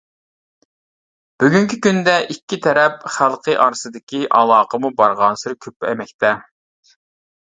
بۈگۈنكى كۈندە ئىككى تەرەپ خەلقى ئارىسىدىكى ئالاقىمۇ بارغانسېرى كۆپەيمەكتە.